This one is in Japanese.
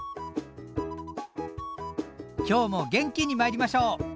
今日も元気にまいりましょう！